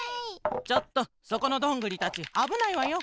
ちょっとそこのどんぐりたちあぶないわよ。